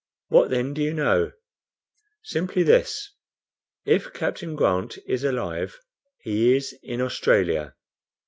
"What then do you know?" "Simply this if Captain Grant is alive, he is in Australia."